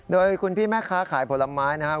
โดยคุณพี่แม่ค้าขายผลไม้นะครับ